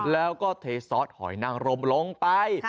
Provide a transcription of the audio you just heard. แล้วก็เทซอสหอยนังรมลงไป